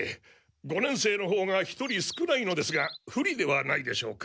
五年生のほうが１人少ないのですが不利ではないでしょうか。